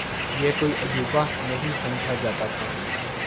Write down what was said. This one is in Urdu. یہ کوئی عجوبہ نہیں سمجھا جاتا تھا۔